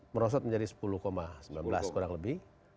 dua ribu empat belas merosot menjadi sepuluh sembilan belas kurang lebih